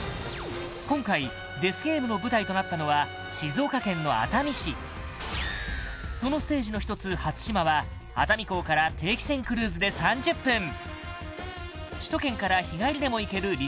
今回デスゲームの舞台となったのは静岡県の熱海市そのステージの一つ初島は熱海港から定期船クルーズで３０分首都圏から日帰りでも行ける